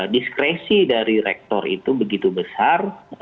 diskresi dari rektor itu begitu besar